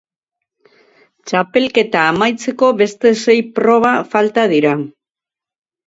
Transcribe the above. Txapelketa amaitzeko beste sei proba falta dira.